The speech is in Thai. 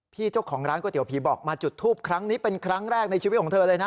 เจ้าของร้านก๋วยเตี๋ผีบอกมาจุดทูปครั้งนี้เป็นครั้งแรกในชีวิตของเธอเลยนะ